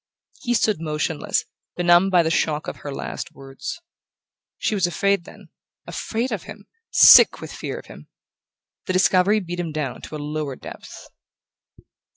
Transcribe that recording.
He stood motionless, benumbed by the shock of her last words. She was afraid, then afraid of him sick with fear of him! The discovery beat him down to a lower depth...